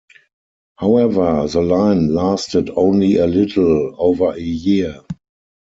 However, the line lasted only a little over a year.